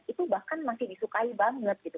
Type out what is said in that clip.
itu bahkan masih disukai banget gitu